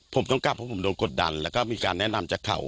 ผมต้องกลับเพราะผมโดนกดดันแล้วก็มีการแนะนำจากเขา